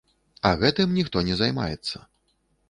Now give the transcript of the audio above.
А гэтым ніхто не займаецца.